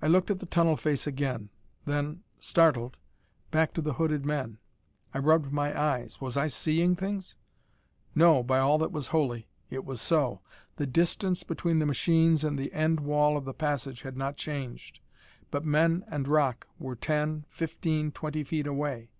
I looked at the tunnel face again, then, startled, back to the hooded men. I rubbed my eyes. Was I seeing things? No, by all that was holy, it was so! The distance between the machines and the end wall of the passage had not changed, but men and rock were ten fifteen twenty feet away!